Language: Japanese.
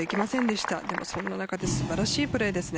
でも、そんな中で素晴らしいプレーです。